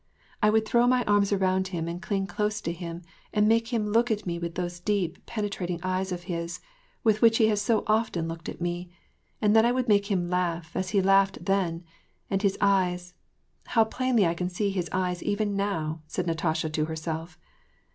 I would throw my arms around him and cling close to him, and make him look at me with those deep, penetrating eyes of his, with which he has so often looked at me ; and then I would make him laugh, as he laughed then, and his eyes — how plainly I can see his eyes even now," said Natasha to herself.